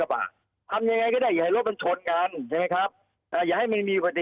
มันต้องคิดแบบนี้